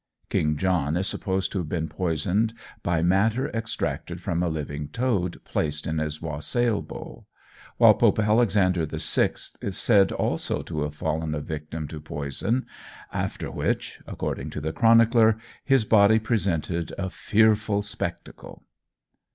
King John is supposed to have been poisoned by matter extracted from a living toad placed in his wassail bowl, while Pope Alexander VI is said also to have fallen a victim to poison, "after which," according to the chronicler, "his body presented a fearful spectacle."